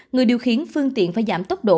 người điều khiển phương tiện phải giảm tốc độ